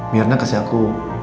mirna kasih aku